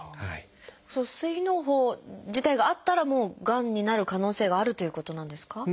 その膵のう胞自体があったらもうがんになる可能性があるということなんですか？